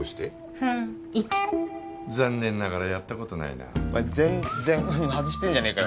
雰囲気残念ながらやったことないな全然外してんじゃないかよ